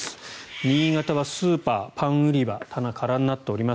新潟はスーパー、パン売り場棚が空になっています。